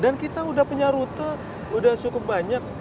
dan kita udah punya rute udah cukup banyak